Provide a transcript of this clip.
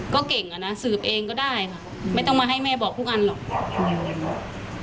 ก็เก่งอ่ะนะสืบเองก็ได้ค่ะไม่ต้องมาให้แม่บอกทุกอันหรอก